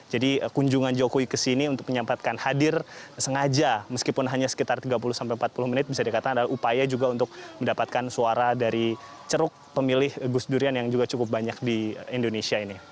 jadi kunjungan jokowi ke sini untuk menyempatkan hadir sengaja meskipun hanya sekitar tiga puluh empat puluh menit bisa dikatakan adalah upaya juga untuk mendapatkan suara dari ceruk pemilih gus durian yang juga cukup banyak di indonesia ini